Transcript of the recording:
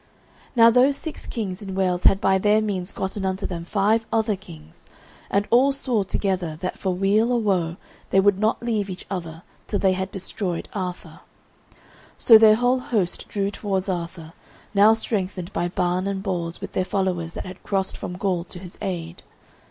Now those six kings in Wales had by their means gotten unto them five other kings, and all swore together that for weal or woe they would not leave each other till they had destroyed Arthur. So their whole host drew towards Arthur, now strengthened by Ban and Bors with their followers that had crossed from Gaul to his aid.